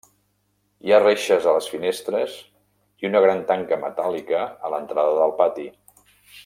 Hi ha reixes a les finestres i una gran tanca metàl·lica a l'entrada del pati.